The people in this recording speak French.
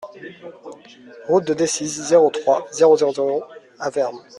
Route de Decize, zéro trois, zéro zéro zéro Avermes